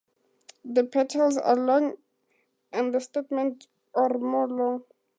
The petals are long and the stamens or more long.